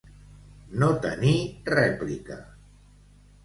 No tenir rèplica.